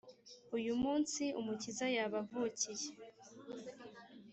uyu munsi umukiza yabavukiye.